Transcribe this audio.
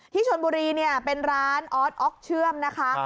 ที่ชนบุรีเนี่ยเป็นร้านออสออกเชื่อมนะคะ